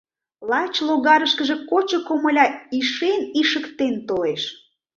Лач логарышкыже кочо комыля ишен-ишыктен толеш.